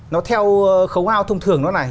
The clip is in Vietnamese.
nó theo khấu hao thông thường nó này